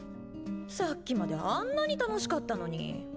さっきまであんなに楽しかったのに。